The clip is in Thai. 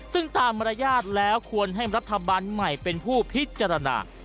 ซึ่งตามมารยาทแล้วควรให้รัฐบาลใหม่เป็นผู้พิจารณา